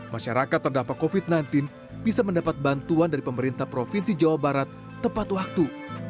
masyarakat terdampak covid sembilan belas bisa mendapat bantuan dari pemerintah provinsi jawa barat tepat waktu